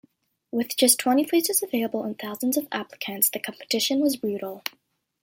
With just twenty places available and thousands of applicants, the competition was brutal.